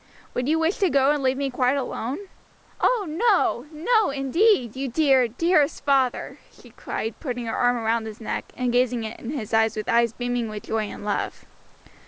Would you wish to go and leave me quite alone?" "Oh no, no, indeed, you dear, dearest father!" she cried, putting her arm round his neck, and gazing in his face with eyes beaming with joy and love.